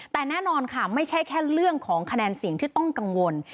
แต่แน่นอนค่ะไม่ใช่แค่เรื่องของคะแนนเสียงที่ต้องกังวล